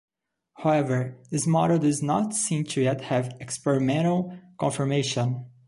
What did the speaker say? However, this model does not seem to yet have experimental confirmation.